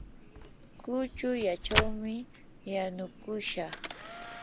kuchullachawmi yanukushaq.